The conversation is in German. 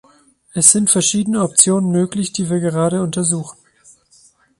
Es sind verschiedene Optionen möglich, die wir gerade untersuchen.